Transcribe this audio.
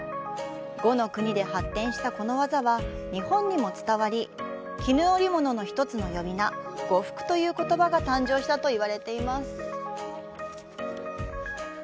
呉の国で発展したこの技は日本にも伝わり、絹織物の一つの呼び名「呉服」ということばが誕生したと言われています